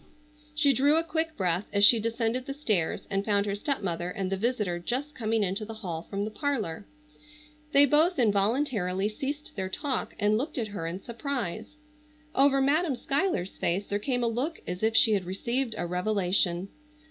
She drew a quick breath as she descended the stairs and found her stepmother and the visitor just coming into the hall from the parlor. They both involuntarily ceased their talk and looked at her in surprise. Over Madam Schuyler's face there came a look as if she had received a revelation.